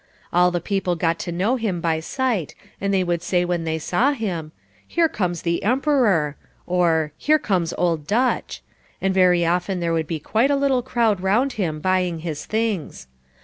All the people got to know him by sight and they would say when they saw him, "Here comes the Emperor," or "Here comes Old Dutch," and very often there would be quite a little crowd round him buying his things.